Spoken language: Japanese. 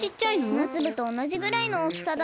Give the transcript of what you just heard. すなつぶとおなじぐらいのおおきさだった。